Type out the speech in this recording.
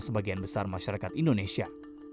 sebagian besar masyarakat indonesia